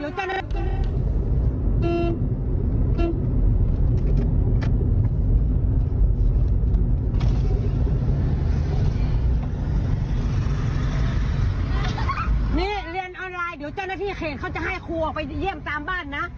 เดี๋ยวเจ้าหน้าที่เขตเขาจะให้ครูออกไปเยี่ยมตามบ้านนะ